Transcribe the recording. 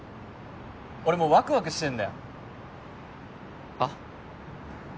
俺もうワクワクしてんだよはっ？